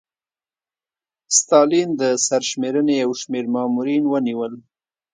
ستالین د سرشمېرنې یو شمېر مامورین ونیول